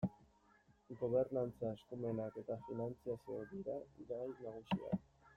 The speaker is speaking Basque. Gobernantza, eskumenak eta finantzazioa dira gai nagusiak.